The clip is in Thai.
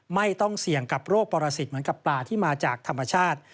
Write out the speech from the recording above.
ไม่ต้องเสี่ยงกับโรคปรสิทธิ์เหมือนกับปลาที่มาจากธรรมชาติ